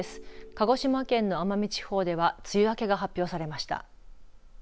鹿児島県の奄美地方では梅雨明けが発表されました。